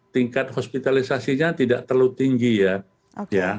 tingkat hospitalisasinya tidak terlalu tinggi ya